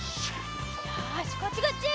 よしこっちこっち！